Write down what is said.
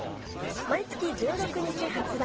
毎月１６日発売。